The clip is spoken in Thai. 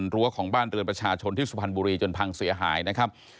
รั้วของบ้านเรือนประชาชนที่สุพรรณบุรีจนพังเสียหายนะครับ